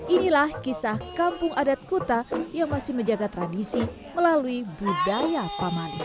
inilah kisah kampung adat kuta yang masih menjaga tradisi melalui budaya pamali